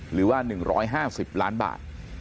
หรือว่าหนึ่งร้อยห้าสิบล้านบาท